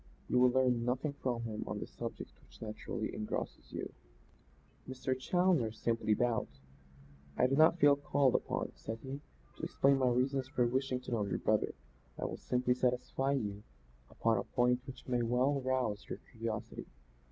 You will learn nothing from him on the subject which naturally engrosses you." Mr. Challoner simply bowed. "I do not feel called upon," said he, "to explain my reasons for wishing to know your brother. I will simply satisfy you upon a point which may well rouse your curiosity.